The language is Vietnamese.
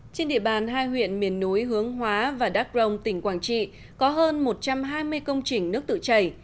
trên địa bàn hai huyện miền núi hướng hóa và đắk rồng tỉnh quảng trị có hơn một trăm hai mươi công trình nước tự chảy